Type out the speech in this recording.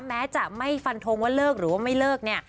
แม้จะไม่ฟันทงว่าเลิกหรือว่าไม่เลิกเนี่ย